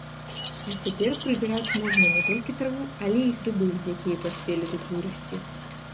А цяпер прыбіраць можна не толькі траву, але і грыбы, якія паспелі тут вырасці.